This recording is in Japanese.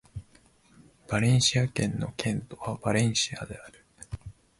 バレンシア県の県都はバレンシアである